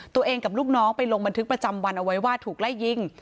กับลูกน้องไปลงบันทึกประจำวันเอาไว้ว่าถูกไล่ยิง